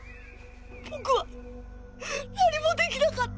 僕は何もできなかった。